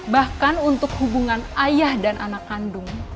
bahkan untuk hubungan ayah dan anak kandung